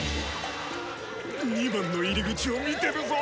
２番の入り口を見てるぞ。